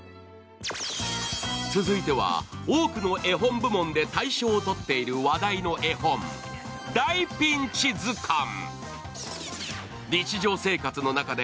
続いては、多くの絵本部門で大賞をとっている話題の絵本、「大ピンチずかん」。